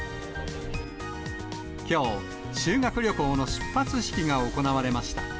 きょう、修学旅行の出発式が行われました。